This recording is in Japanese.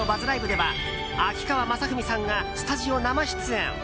では秋川雅史さんがスタジオ生出演！